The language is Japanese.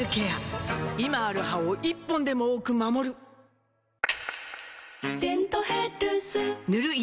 今ある歯を１本でも多く守る「デントヘルス」塗る医薬品も